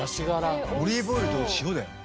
オリーブオイルと塩だよ。